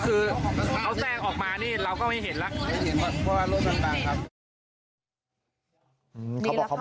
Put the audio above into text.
ก็คือเขาแจ้งออกมานี่เราก็ไม่เห็นแล้ว